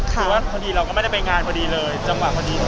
คือว่าพอดีเราก็ไม่ได้ไปงานพอดีเลยจังหวะพอดี